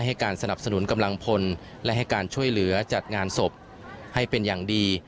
ให้การสนับสนุนกำลังพลและให้การช่วยเหลือจัดงานศพให้เป็นอย่างดี